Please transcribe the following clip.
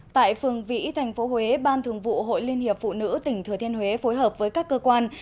tại phường vĩ thành phố huế ban thường vụ hội liên hiệp phụ nữ tỉnh thừa thiên huế phối hợp với các cơ quan